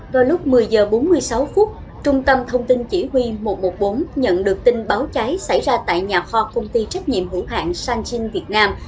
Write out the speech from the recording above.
vào lúc một mươi h bốn mươi sáu phút trung tâm thông tin chỉ huy một trăm một mươi bốn nhận được tin báo cháy xảy ra tại nhà kho công ty trách nhiệm hữu hạng sanchin việt nam